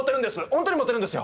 本当に持ってるんですよ！